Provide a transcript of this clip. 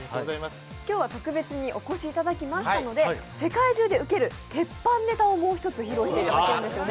今日は特別にお越しいただきましたので、世界中でウケる鉄板ネタを披露していただけるんですね。